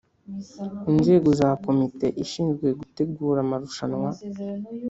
Inzego za Komite ishinzwe gutegura amarushanwa